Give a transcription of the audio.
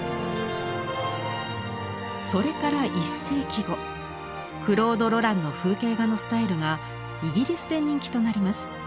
それから１世紀後クロード・ロランの風景画のスタイルがイギリスで人気となります。